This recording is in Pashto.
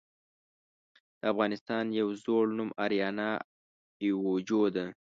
د افغانستان يو ﺯوړ نوم آريانا آويجو ده .